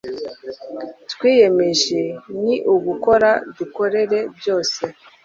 twiyemeje ni ugukora, dukorere byose